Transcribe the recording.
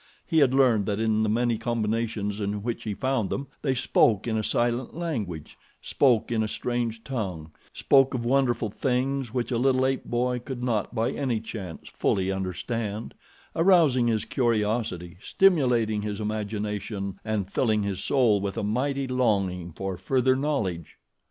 He had learned that in the many combinations in which he found them they spoke in a silent language, spoke in a strange tongue, spoke of wonderful things which a little ape boy could not by any chance fully understand, arousing his curiosity, stimulating his imagination and filling his soul with a mighty longing for further knowledge.